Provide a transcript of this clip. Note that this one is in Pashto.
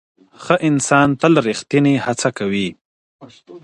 ښه انسان تل ريښتينې هڅه کوي